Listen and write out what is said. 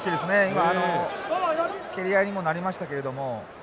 今あの蹴り合いにもなりましたけれども。